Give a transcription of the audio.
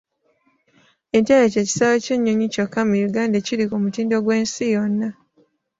Entebbe kye kisaawe ky'ennyonyi kyokka mu Uganda ekiri ku mutindo gw'ensi yonna.